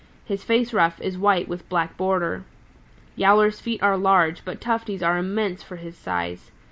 His face ruff is white with black border. Yowler's feet are large, but Tufty's are immense for his size.